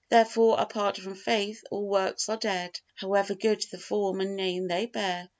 Therefore, apart from faith all works are dead, however good the form and name they bear.